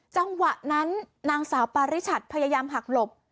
จังหวะนั้นนางสาวปาริชัดพยายามหักหลบ